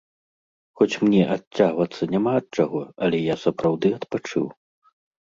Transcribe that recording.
Хоць мне адцягвацца няма ад чаго, але я сапраўды адпачыў.